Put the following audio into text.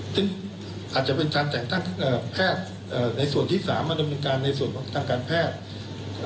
ซึ่งอาจจะเป็นการแต่งตั้งแพทย์ในส่วนที่สามมาดำเนินการในส่วนของทางการแพทย์